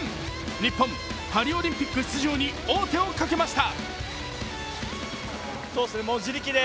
日本、パリオリンピック出場に王手をかけました。